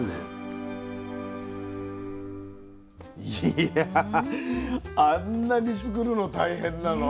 いやあんなにつくるの大変なの？